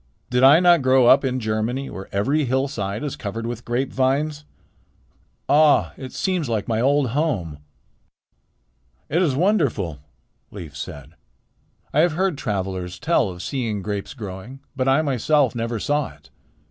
"Did I not grow up in Germany, where every hillside is covered with grapevines? Ah! it seems like my old home." "It is wonderful," Leif said. "I have heard travelers tell of seeing grapes growing, but I myself never saw it.